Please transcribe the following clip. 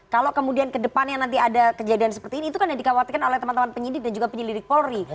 kalau kemudian ke depannya nanti ada kejadian seperti ini itu kan yang dikhawatirkan oleh teman teman penyidik dan juga penyelidik polri